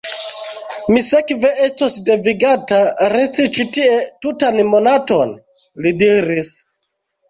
Mi sekve estos devigata resti ĉi tie tutan monaton? li diris.